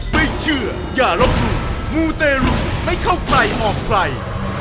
ไม่เชื่ออย่าลบหมู่หมู่เตรุไม่เข้าใกล้ออกไกล